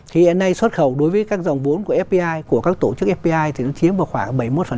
thì hiện nay xuất khẩu đối với các dòng vốn của fpi của các tổ chức fpi thì nó chiếm vào khoảng bảy mươi một